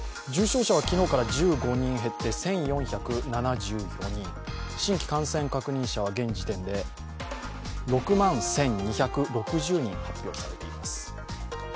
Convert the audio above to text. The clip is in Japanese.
重症者は昨日から１４人減って１４７５人、新規感染者は現時点で６万１２６０人発表されています。